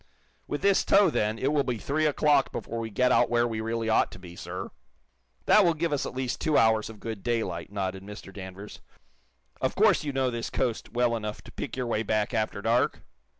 "With this tow, then, it will be three o'clock before we get out where we really ought to be, sir." "That will give us at least two hours of good daylight," nodded Mr. Danvers. "Of course you know this coast well enough to pick your way back after dark?"